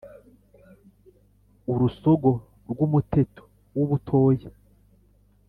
urusogo rw’ umuteto w’ ubutoya